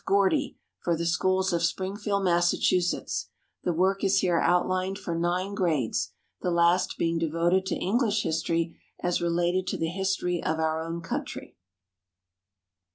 Gordy for the schools of Springfield, Mass. The work is here outlined for nine grades, the last being devoted to English history as related to the history of our own country.